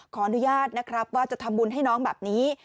ขออนุญาตนะครับว่าจะทำบุญให้น้องแบบนี้